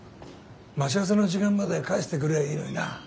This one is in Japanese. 待ち合わせの時間まで書いといてくれりゃいいのにな。